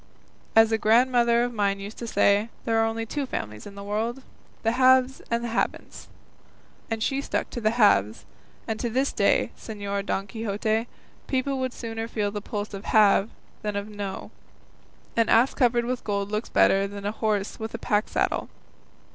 As a grandmother of mine used to say, there are only two families in the world, the Haves and the Haven'ts; and she stuck to the Haves; and to this day, Señor Don Quixote, people would sooner feel the pulse of 'Have,' than of 'Know;' an ass covered with gold looks better than a horse with a pack saddle.